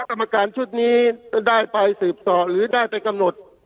กรรมการชุดนี้ได้ไปสืบต่อหรือได้ไปกำหนด